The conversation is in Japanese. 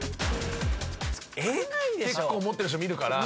結構持ってる人見るから。